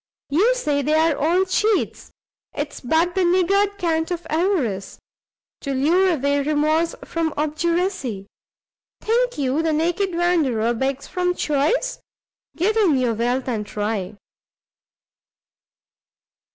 you say they are all cheats? 'tis but the niggard cant of avarice, to lure away remorse from obduracy. Think you the naked wanderer begs from choice? give him your wealth and try."